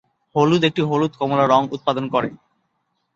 হলুদ একটি হলুদ-কমলা রঙ উৎপাদন করে।